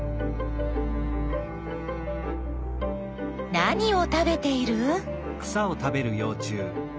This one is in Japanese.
何を食べている？